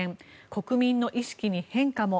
国民の意識に変化も。